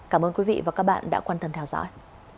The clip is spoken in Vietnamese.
cảm ơn quý vị và các bạn đã quan tâm theo dõi